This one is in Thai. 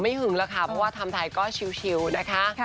หึงแล้วค่ะเพราะว่าทำไทยก็ชิวนะคะ